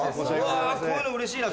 うわこういうのうれしいな。